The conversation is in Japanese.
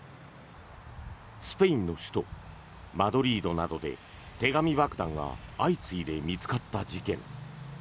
スペインの首都マドリードなどで手紙爆弾が相次いで見つかった事件。